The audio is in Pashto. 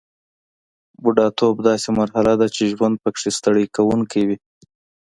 بوډاتوب داسې مرحله ده چې ژوند پکې ستړي کوونکی وي